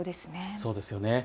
そうですよね。